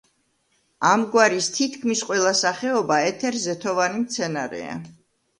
ამ გვარის თითქმის ყველა სახეობა ეთერზეთოვანი მცენარეა.